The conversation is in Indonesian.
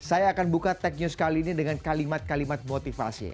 saya akan buka tech news kali ini dengan kalimat kalimat motivasi